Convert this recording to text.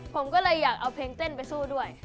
ผมก็เลยอยากเอาเพลงเต้นไปสู้ด้วย